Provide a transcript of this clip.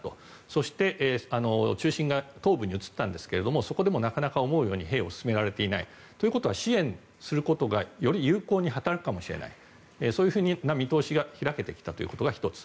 そして、中心が東部に移ったんですがそこでもなかなか兵を思うように進められていない。ということは支援することがより有効に働くかもしれないそういうふうな見通しが開けてきたことが１つ。